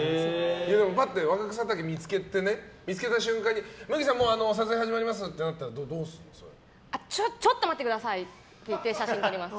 ワカクサタケ見つけた瞬間に麦さん、撮影始まります！ってなったらちょっと待ってくださいって言って写真撮ります。